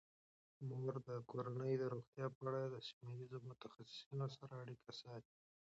مور د کورنۍ د روغتیا په اړه د سیمه ایزو متخصصینو سره اړیکه ساتي.